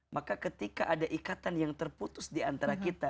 maka ketika ada ikatan yang terputus di antara kita